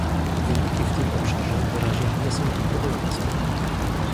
Wyniki w tym obszarze wyraźnie nie są imponujące